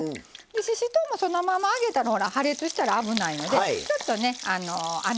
ししとうもそのまま揚げたらほら破裂したら危ないのでちょっとね穴あけといてくださいね。